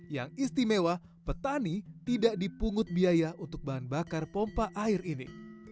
yang istimewa petani tidak dipungut biaya untuk bahan bakar pompa air ini